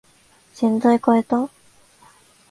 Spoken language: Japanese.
洗剤かえた？